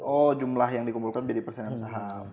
oh jumlah yang dikumpulkan menjadi persenan saham